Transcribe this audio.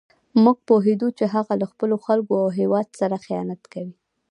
موږ پوهېدو چې هغه له خپلو خلکو او هېواد سره خیانت کوي.